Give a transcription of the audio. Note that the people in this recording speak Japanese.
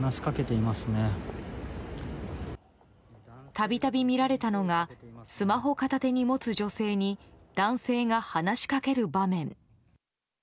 度々見られたのがスマホ片手に持つ女性に男性が話しかける場面。